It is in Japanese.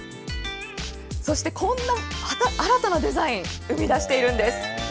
そしてこんな新たなデザイン、生み出しているんです。